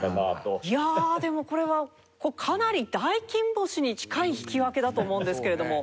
いやあでもこれはかなり大金星に近い引き分けだと思うんですけれども。